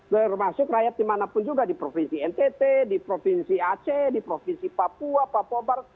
termasuk rakyat dimanapun juga di provinsi ntt di provinsi aceh di provinsi papua papua barat